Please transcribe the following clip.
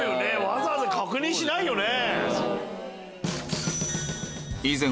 わざわざ確認しないよね。